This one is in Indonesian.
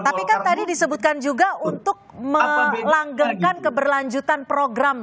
tapi kan tadi disebutkan juga untuk melanggengkan keberlanjutan program